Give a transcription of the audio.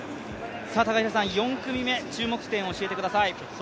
４組目、注目点を教えてください。